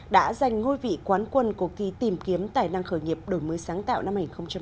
đã giành ngôi vị quán quân cuộc thi tìm kiếm tài năng khởi nghiệp đổi mới sáng tạo năm hai nghìn hai mươi